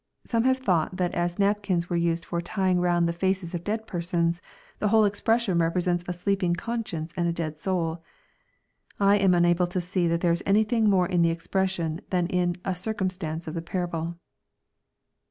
Some have thought that as napkins were used for tying round the faces of dead persons, the whole expression represents a sleeping conscience and a dead soul. I am unable to see that there is anything more in the expression than a circumstance of the parable.